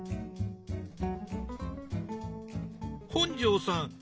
本上さん